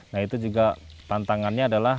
nah itu juga tantangannya adalah